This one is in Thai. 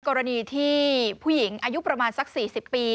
กรณีที่ผู้หญิงอายุประมาณสัก๔๐ปี